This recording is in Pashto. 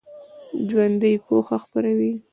ژوندي پوهه خپروي